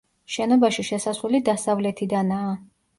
შენობაში შესასვლელი დასავლეთიდანაა.